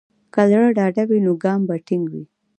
که زړه ډاډه وي، نو ګام به ټینګ وي.